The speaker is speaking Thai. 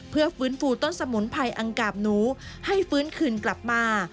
เพื่อฟื้นฟูต้นสมุนไพอังกาบหนูให้ฟื้นคืนกลับมา